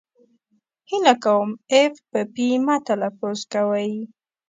هیله کوم اف په پي مه تلفظ کوی!